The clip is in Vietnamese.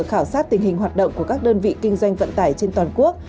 khảo sát tình hình hoạt động của các đơn vị kinh doanh vận tải trên toàn quốc